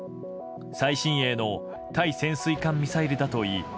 最新鋭の対潜水艦ミサイルだといい